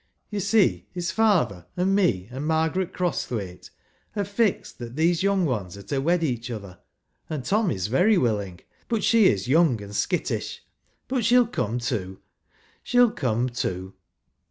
You see, his father and me and Margaret Crosthwaite have fixed that these young ones are to wed each other ; and Tom is very willing — but she is young and skittish ; but she'll come to — she 'll come to.